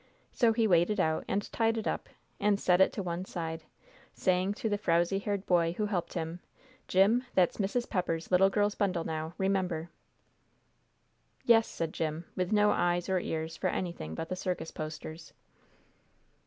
So he weighed it out, and tied it up, and set it to one side, saying to the frowsy haired boy who helped him, "Jim, that's Mrs. Pepper's little girl's bundle, now remember." "Yes," said Jim, with no eyes or ears for anything but the circus posters.